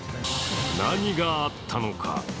何があったのか。